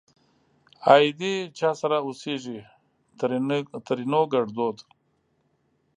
آئيدې چا سره اوسيږ؛ ترينو ګړدود